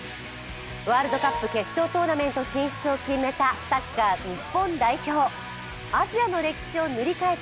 ワールドカップ決勝トーナメント進出を決めたサッカー日本代表、「アジアの歴史を塗り替えた」